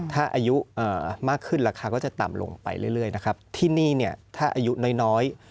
ถ้าอายุมากขึ้นราคาก็จะต่ำลงไปเรื่อยนะครับที่นี่เนี่ยถ้าอายุน้อยน้อย